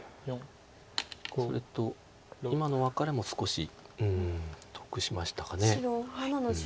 それと今のワカレも少し得しましたか。